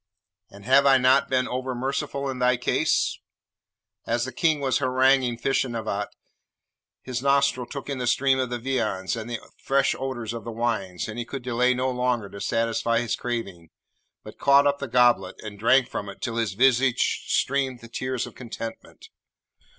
And have I not been over merciful in thy case?' As the King was haranguing Feshnavat, his nostril took in the steam of the viands and the fresh odours of the wines, and he could delay no longer to satisfy his craving, but caught up the goblet, and drank from it till his visage streamed the tears of contentment.